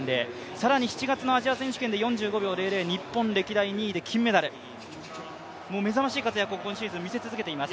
更に７月のアジア選手権で４５秒００で日本歴代２位で金メダル、もう目覚ましい記録を今シーズン見せ続けています。